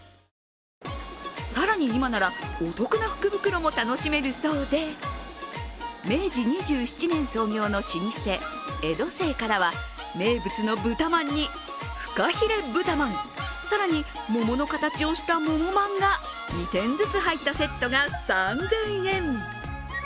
更に今ならお得な福袋も楽しめるそうで明治２７年創業の老舗、江戸清からは名物の豚まんにフカヒレ豚まん更に桃の形をした桃まんが２点ずつ入ったセットが３０００円。